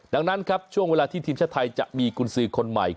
ดังนั้นครับช่วงเวลาที่ทีมชาติไทยจะมีกุญสือคนใหม่